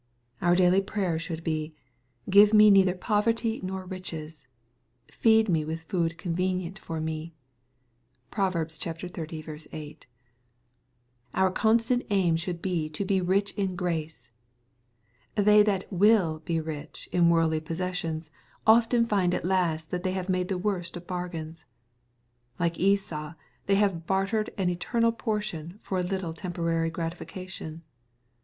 Our daily prayer should be, "Give me neither poverty ] MATTHEW^ CHAP. XXVI. 853 nor riches : feed me with food convenient for me/' (Pror. XXX. 8.) Our constant aim should be to he rich in grace. They that " vnll be rich" in worldly possessions often find at last that they have made the worst of bargains. Like Esau, they have bartered an eteraal portion for a little temporaiy gratification.